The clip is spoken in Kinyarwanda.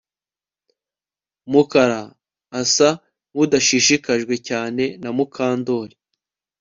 Mukara asa nkudashishikajwe cyane na Mukandoli